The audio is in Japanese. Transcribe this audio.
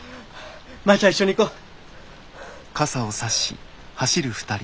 マヤちゃん一緒に行こう。